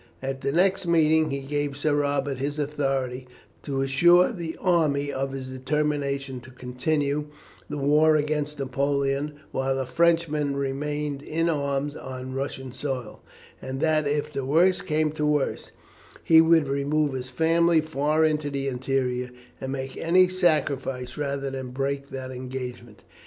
At the next meeting he gave Sir Robert his authority to assure the army of his determination to continue the war against Napoleon while a Frenchman remained in arms on Russian soil, and that, if the worst came to the worst, he would remove his family far into the interior, and make any sacrifice rather than break that engagement.